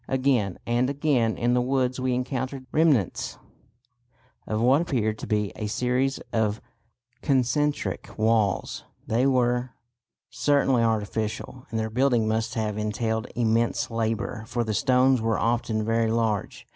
Again and again in the woods we encountered the remnants of what appeared to be a series of concentric walls. They were certainly artificial, and their building must have entailed immense labour, for the stones were often very large.